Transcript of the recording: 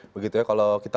begitu ya kalau kita